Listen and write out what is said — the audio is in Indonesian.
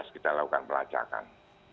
tujuh belas kita lakukan pelacakan